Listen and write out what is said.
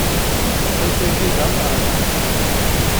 Lqut-agi d amerɣan.